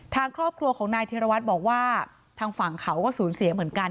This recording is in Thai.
ทางครอบครัวของนายธิรวัตรบอกว่าทางฝั่งเขาก็สูญเสียเหมือนกัน